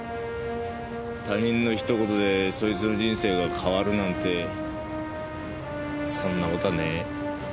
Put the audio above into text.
他人の一言でそいつの人生が変わるなんてそんな事はねえ。